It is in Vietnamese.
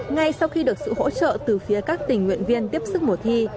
ngay sau khi được sự hỗ trợ từ phía các tình nguyện viên tiếp sức mùa thi